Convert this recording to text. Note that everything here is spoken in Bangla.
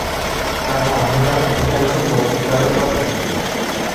তার ঘটনার অধিকাংশ মৌখিকভাবে প্রচলিত।